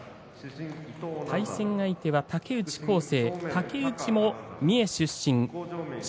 対戦相手は竹内宏晟竹内も三重県出身。